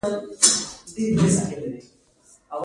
د پلان جوړولو پر مهال پر استدلال باور مه کوئ.